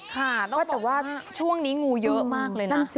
ค่ะแต่ว่าช่วงนี้งูเยอะมากเลยนะ